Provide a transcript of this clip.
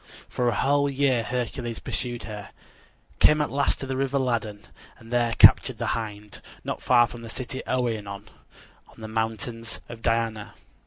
For a whole year Hercules pursued her; came at last to the river Ladon; and there captured the hind, not far from the city Oenon, on the mountains of Diana.